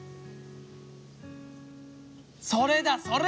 それだそれ！